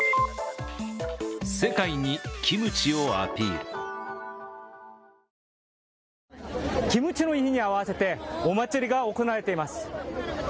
キムチの日に合わせてお祭りが行われています。